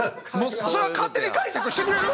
それは勝手に解釈してくれる？